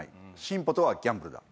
進歩とはギャンブルだ。